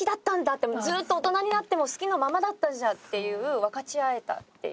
って「ずっと大人になっても好きなままだったじゃん！」っていう分かち合えたっていう。